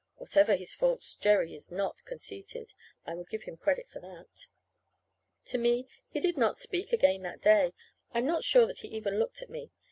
(Whatever his faults, Jerry is not conceited. I will give him credit for that!) To me he did not speak again that day. I am not sure that he even looked at me.